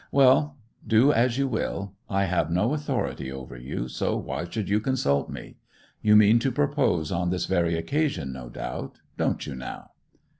Well, do as you will; I have no authority over you, so why should you consult me? You mean to propose on this very occasion, no doubt. Don't you, now?